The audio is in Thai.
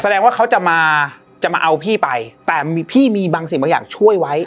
แสดงว่าเขาจะมาจะมาเอาพี่ไปแต่มีพี่มีบางสิ่งบางอย่างช่วยไว้